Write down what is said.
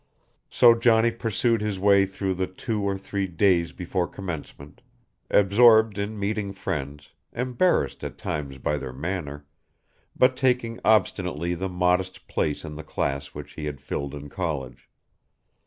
So Johnny pursued his way through the two or three days before commencement, absorbed in meeting friends, embarrassed at times by their manner, but taking obstinately the modest place in the class which he had filled in college.